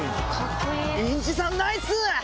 インジさんナイス！